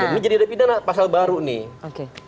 ini jadi ada pidana pasal baru nih